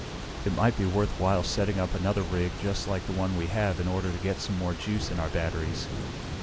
It might be worthwhile setting up another rig just like the one we have in order to get some more juice in our batteries.